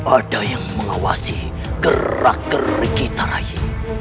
ada yang mengawasi gerak gerik kita rayi